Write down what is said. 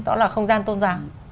đó là không gian tôn giáo